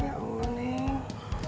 ya allah neng